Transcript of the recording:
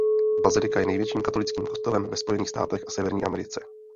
Bazilika je největším katolickým kostelem ve Spojených státech a Severní Americe.